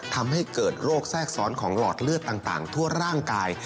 ทำให้เกิดโรคแทรกซ้อนของหลอดเลือดต่างทั่วร่างกาย